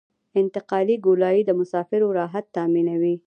انتقالي ګولایي د مسافرو راحت تامینوي